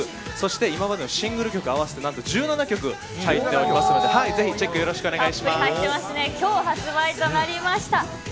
今までのシングル曲合わせて何と１７曲入っておりますので今日発売となりました。